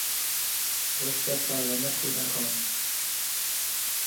رشد سالم کودکان